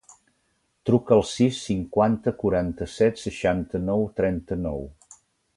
Truca al sis, cinquanta, quaranta-set, seixanta-nou, trenta-nou.